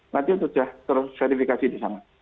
nanti sudah terverifikasi di sana